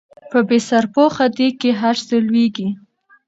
په بې سرپوښه ديګ کې هر څه لوېږي